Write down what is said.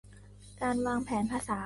การวางแผนภาษา